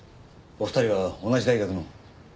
お二人は同じ大学の？